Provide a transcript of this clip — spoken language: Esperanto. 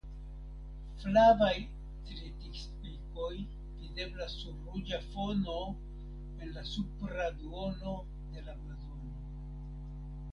Flavaj tritikspikoj videblas sur ruĝa fono en la supra duono de la blazono.